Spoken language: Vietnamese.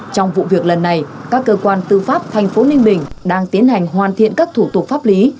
trong vụ việc lần này các cơ quan tư pháp thành phố ninh bình đang tiến hành hoàn thiện các thủ tục pháp lý